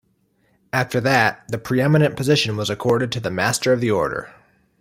After that, the pre-eminent position was accorded to the Master of the Order.